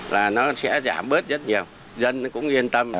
là nó sẽ giảm bớt rất nhiều dân cũng yên tâm